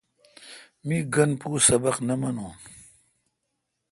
می گن پو سبق نہ مانون۔